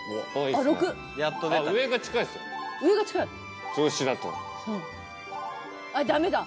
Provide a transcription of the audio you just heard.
あっダメだ！